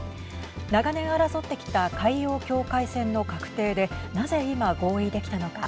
長年、争ってきた海洋境界線の画定でなぜ今、合意できたのか。